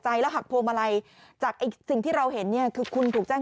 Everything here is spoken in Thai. ใจและหักโพมอะไรจากอีกสิ่งที่เราเห็นเนี่ยคือคุณถูกแจ้ง